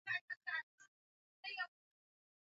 Jari kijeshi kaskazini mwa Amazon Mti Mrefu Sana